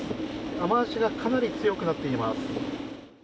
雨足がかなり強くなっています。